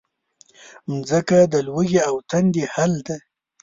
مځکه د لوږې او تندې حل ده.